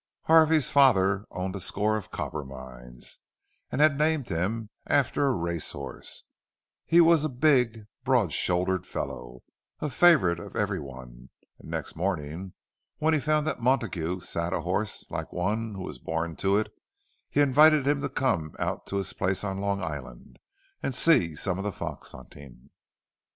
Harvey's father owned a score of copper mines, and had named him after a race horse; he was a big broad shouldered fellow, a favourite of every one; and next morning, when he found that Montague sat a horse like one who was born to it, he invited him to come out to his place on Long Island, and see some of the fox hunting.